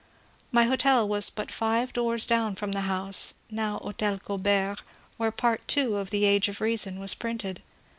My hotel was also but five doors from the house (now Hotel Colbert) where Part H of the '' Age of Reason " was printed.